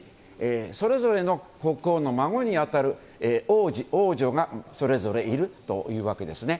それぞれの国王の孫に当たる王子、王女がそれぞれいるというわけですね。